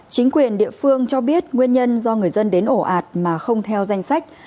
chính quyền địa phương cho biết nguyên nhân do người dân đến ổ ạt mà không theo danh sách